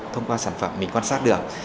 thông qua sản phẩm mình quan sát được